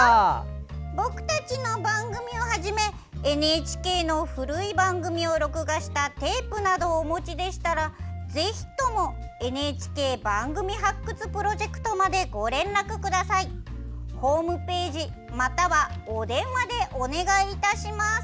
僕たちの番組をはじめＮＨＫの古い番組を録画したテープなどをお持ちでしたらぜひとも「ＮＨＫ番組発掘プロジェクト」までご連絡ください。ホームページ、またはお電話でお願いいたします！